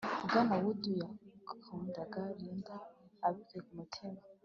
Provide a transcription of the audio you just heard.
bwana wood yakundaga linda abikuye ku mutima